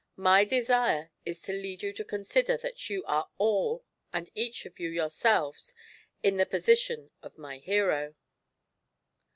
My desire is to lead you to consider that you are all and each of you yourselves in the position of my hero.